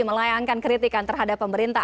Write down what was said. melayangkan kritikan terhadap pemerintah